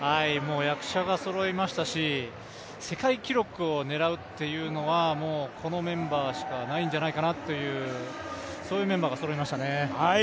役者がそろいましたし、世界記録を狙うというのはこのメンバーしかないんじゃないかなというメンバーがそろいましたね。